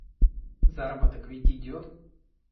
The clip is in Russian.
Заработок ведь идет.